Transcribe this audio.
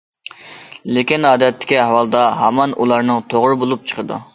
لېكىن، ئادەتتىكى ئەھۋالدا ھامان ئۇلارنىڭ توغرا بولۇپ چىقىدۇ.